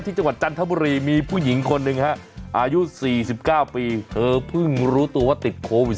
จังหวัดจันทบุรีมีผู้หญิงคนหนึ่งฮะอายุ๔๙ปีเธอเพิ่งรู้ตัวว่าติดโควิด๑